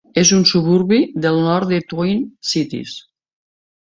És un suburbi del nord de Twin Cities.